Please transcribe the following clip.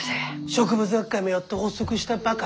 植物学会もやっと発足したばかりだ。